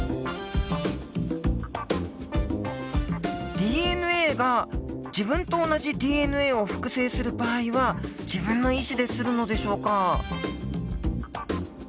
ＤＮＡが自分と同じＤＮＡを複製する場合は自分の意思でするのでしょうか？